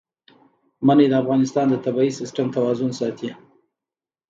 منی د افغانستان د طبعي سیسټم توازن ساتي.